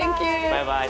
バイバイ。